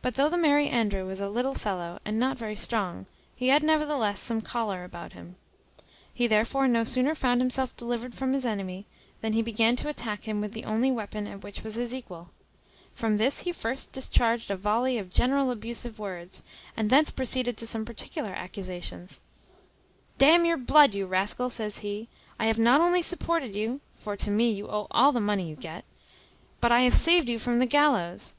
But though the Merry Andrew was a little fellow, and not very strong, he had nevertheless some choler about him. He therefore no sooner found himself delivered from the enemy, than he began to attack him with the only weapon at which he was his equal. From this he first discharged a volley of general abusive words, and thence proceeded to some particular accusations "D n your bl d, you rascal," says he, "I have not only supported you (for to me you owe all the money you get), but I have saved you from the gallows.